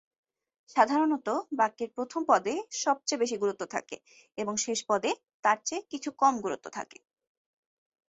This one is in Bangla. সাধারণত বাক্যের প্রথম পদে সবচেয়ে বেশি গুরুত্ব থাকে, এবং শেষ পদে তার চেয়ে কিছু কম গুরুত্ব থাকে।